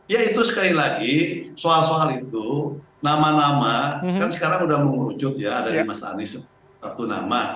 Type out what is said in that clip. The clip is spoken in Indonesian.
ya itu sekali lagi soal soal itu nama nama kan sekarang sudah mengerucut ya dari mas anies satu nama